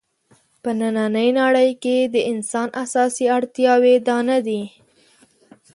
په نننۍ نړۍ کې د انسان اساسي اړتیاوې دا نه دي.